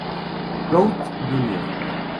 Rote Jr.